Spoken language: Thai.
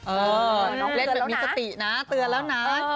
เล่นแบบมีสตินะเตือนแล้วนะ